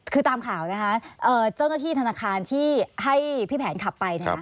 คือตามข่าวนะคะเจ้าหน้าที่ธนาคารที่ให้พี่แผนขับไป